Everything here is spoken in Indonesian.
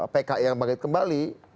pki yang kembali kembali